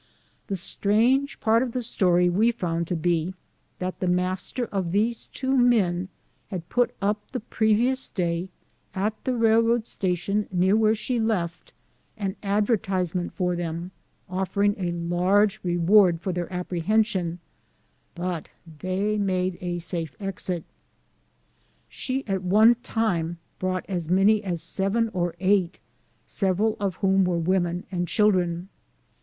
The strange part of the story we found to be, that the master of these two men had put up the previous day, at the railroad station near where she left, an advertisement for them, offering a large reward for their apprehension ; but they made a safe exit. She at one time brought as many as seven or eight, several of whom were women and children.